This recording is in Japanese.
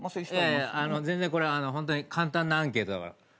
全然これはホントに簡単なアンケートだから。